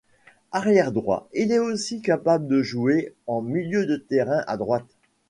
Arrière droit, il est aussi capable de jouer en milieu de terrain à droite.